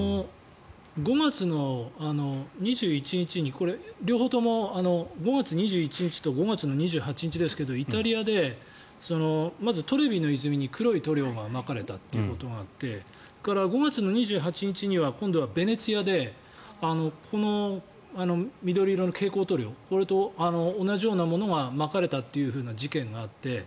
５月の２１日に両方とも５月２１日と５月２８日ですがイタリアで、トレビの泉に黒い塗料がまかれたことがあってそれから５月２８日には今度はベネチアでこの緑色の蛍光塗料これと同じようなものがまかれたというふうな事件があって。